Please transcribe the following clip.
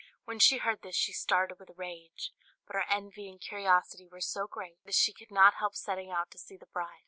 When she heard this, she started with rage; but her envy and curiosity were so great, that she could not help setting out to see the bride.